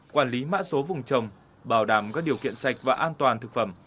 quản lý mã số vùng trồng bảo đảm các điều kiện sạch và an toàn thực phẩm